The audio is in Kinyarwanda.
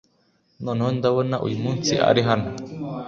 noneho ndabona uyumunsi ari hano